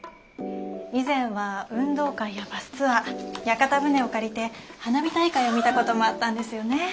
以前は運動会やバスツアー屋形船を借りて花火大会を見たこともあったんですよね。